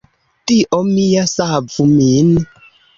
"Dio mia, savu min!"